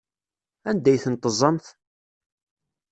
Anda ay ten-teẓẓamt?